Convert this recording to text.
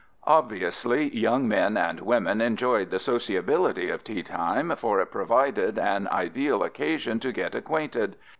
Obviously, young men and women enjoyed the sociability of teatime, for it provided an ideal occasion to get acquainted.